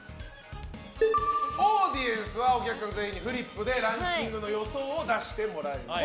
オーディエンスはお客さん全員にフリップでランキングの予想を出してもらいます。